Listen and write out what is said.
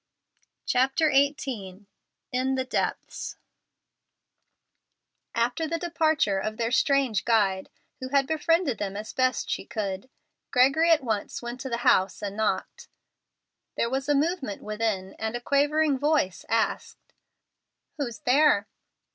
CHAPTER XVIII IN THE DEPTHS After the departure of their strange guide, who had befriended them as best she could, Gregory at once went to the house and knocked. There was a movement within, and a quavering voice asked, "Who's there?"